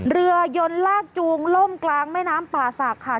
เรือยนลากจูงล่มกลางแม่น้ำป่าศักดิ์ค่ะ